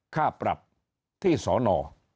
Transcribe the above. ค่าปรับที่ศน